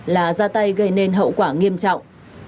là ra tay gây nên hậu quả nghiêm trọng